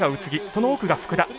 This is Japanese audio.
その奥が福田。